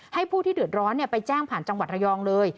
ผู้ที่เดือดร้อนไปแจ้งผ่านจังหวัดระยองเลย